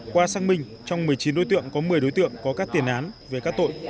qua xác minh trong một mươi chín đối tượng có một mươi đối tượng có các tiền án về các tội